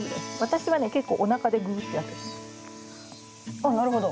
あっなるほど。